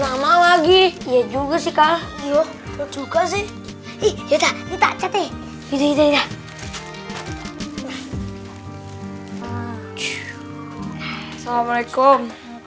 sama lagi ya juga sih kak juga sih kita kita cati hidupnya assalamualaikum salam salam